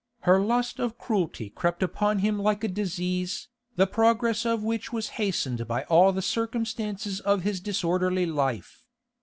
Her lust of cruelty crept upon him like a disease, the progress of which was hastened by all the circumstances of his disorderly life.